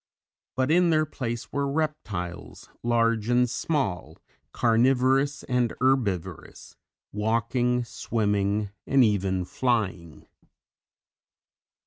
But in their place were reptiles large and small, carnivorous and herbivorous, walking, swimming and even flying.